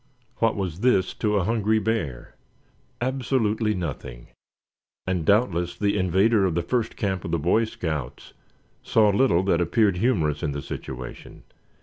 What was this to a hungry bear? Absolutely nothing; and doubtless the invader of the first camp of the Boy Scouts saw little that appeared humorous in the situation.